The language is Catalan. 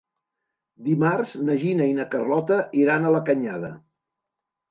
Dimarts na Gina i na Carlota iran a la Canyada.